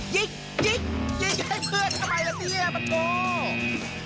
ยิกยิกยิกให้เพื่อนเข้าไปแล้วเนี่ยมันโกรธ์